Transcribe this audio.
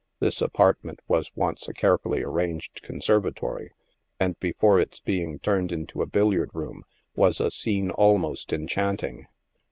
This apartment was once a carefully arranged conservatory, and before its being turned into a billiard room was a scene almost enchanting.